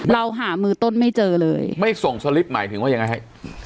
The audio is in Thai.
เราหามือต้นไม่เจอเลยไม่ส่งสลิปหมายถึงว่ายังไงฮะ